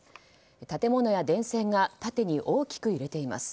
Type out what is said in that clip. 建物や電線が縦に大きく揺れています。